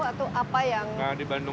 atau apa yang di bandung